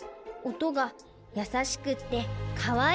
音がやさしくってかわいいやつ。